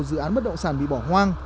dự án bất động sản bị bỏ hoang